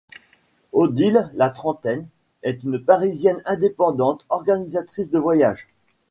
Odile, la trentaine, est une Parisienne indépendante, organisatrice de voyages.